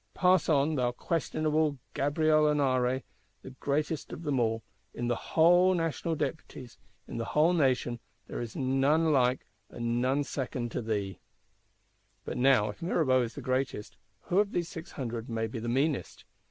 Pass on, thou questionable Gabriel Honoré, the greatest of them all: in the whole National Deputies, in the whole Nation, there is none like and none second to thee. But now if Mirabeau is the greatest, who of these Six Hundred may be the meanest?